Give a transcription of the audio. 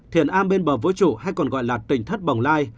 thiền am bên bờ vũ trụ hay còn gọi là tỉnh thất bồng lai